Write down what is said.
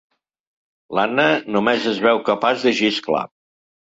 L'Anna només es veu capaç de xisclar.